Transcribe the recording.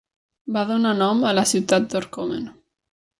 Va donar nom a la ciutat d'Orcomen.